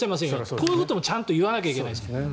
こういうこともちゃんと言わないといけない。